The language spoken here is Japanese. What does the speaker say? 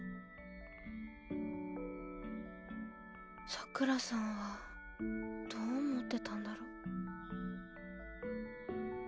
さくらさんはどう思ってたんだろ。